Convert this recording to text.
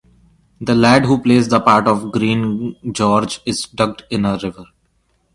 The lad who plays the part of Green George is ducked in a river.